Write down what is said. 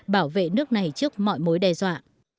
bảo vệ nước này trước mọi mối đe dọa